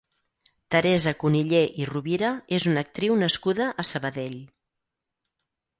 Teresa Cunillé i Rovira és una actriu nascuda a Sabadell.